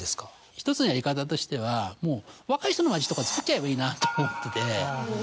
１つのやり方としてはもう若い人の街とかつくっちゃえばいいなと思ってて。